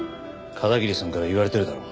片桐さんから言われてるだろ